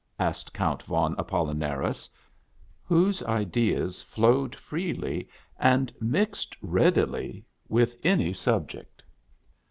asked Count Von Apollinaris, whose ideas flowed freely, and mixed readily with any subject.